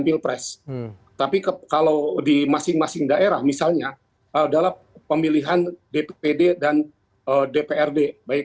pilpres tapi kalau di masing masing daerah misalnya adalah pemilihan dpd dan dprd baik